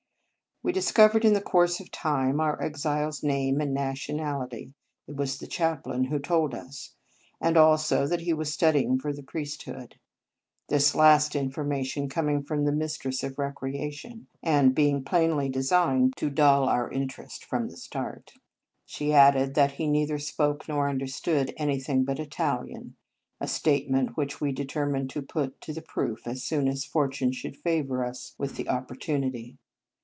We discovered in the course of time our exile s name and nationality, it was the chaplain who told us, and also that he was studying for the priest hood; this last information coming from the mistress of recreation, and being plainly designed to dull our 8 Marianus interest from the start. She added that he neither spoke nor under stood anything but Italian, a statement which we determined to put to the proof as soon as fortune should favour us with the opportunity.